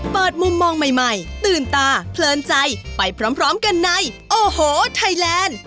มุมมองใหม่ตื่นตาเพลินใจไปพร้อมกันในโอ้โหไทยแลนด์